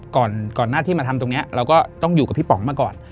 ก่อนหน้าที่มาทำตรงนี้เราก็ต้องอยู่กับพี่ป๋องมาก่อน